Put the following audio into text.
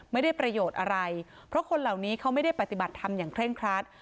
ไม่ได้ประโยชน์อะไรเพราะคนเหล่านี้เขาไม่ได้ปฏิบัติธรรมอย่างเคร่งครัด